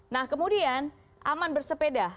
nah kemudian aman bersepeda